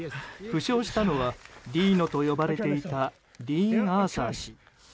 負傷したのはディーノと呼ばれていたディーン・アーサー氏。